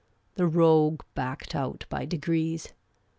The ro<;iie backed out by degrees.